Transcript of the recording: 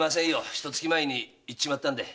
ひと月前に逝っちまったんで。